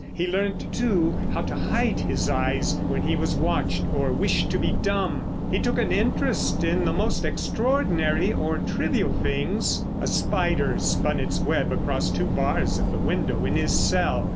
He learnt, too, how to hide his eyes when he was watched or wished to be dumb. He took an interest in the most extraordinary or trivial things. A spider spun its web across two bars of the window in his cell.